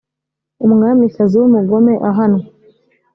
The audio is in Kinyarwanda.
umwamikazi w umugome ahanwa